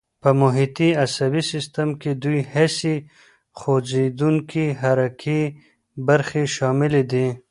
په محیطي عصبي سیستم کې دوې حسي او خوځېدونکي حرکي برخې شاملې دي.